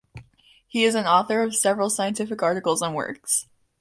He is an author of several scientific articles and works.